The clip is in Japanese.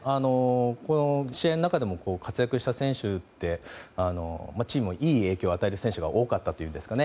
試合の中でも活躍した選手ってチームにいい影響を与える選手が多かったといいますか。